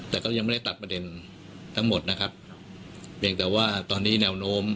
แต่ก็ยังไม่ได้ตัดประเด็นทั้งหมดนะครับเพียงแต่ว่าตอนนี้แนวโน้ม